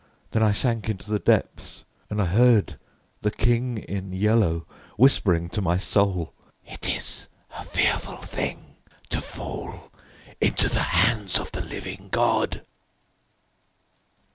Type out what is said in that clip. Then I sank into the depths, and I heard the King in Yellow whispering to my soul: "It is a fearful thing to fall into the hands of the living God!"